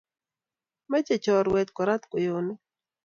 Meche chorwet korat kweyonik